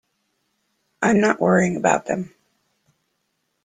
I'm not worrying about them.